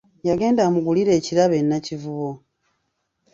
Yagenda amugulire ekirabo e Nakivubo.